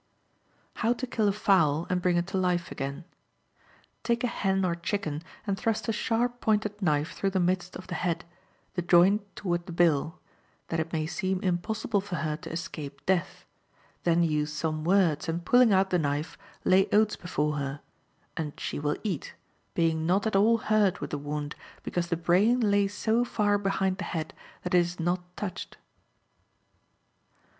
How to Kill a Fowl and Bring It to Life Again.—Take a hen or chicken, and thrust a sharp pointed knife through the midst of the head, the joint toward the bill, that it may seem impossible for her to escape death, then use some words, and pulling out the knife, lay oats before her, and she will eat, being not at all hurt with the wound, because the brain lays so far behind the head, that it is not touched.